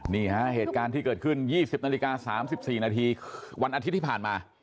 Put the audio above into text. เหตุการณ์ที่เกิดขึ้น๒๐นาฬิกา๓๔นาทีวันอาทิตย์ที่ผ่านมา